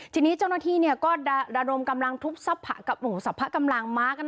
ทีนี้เจ้าหน้าที่ก็ดารมกำลังทุบทรัพย์กับหนุ่มทรัพย์กำลังม้ากัน